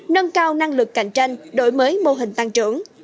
nâng cao năng lực cạnh tranh đổi mới mô hình tăng trưởng